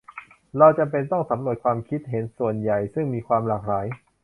เราจำเป็นต้องสำรวจความคิดเห็นส่วนใหญ่ซึ่งมีความหลากหลาย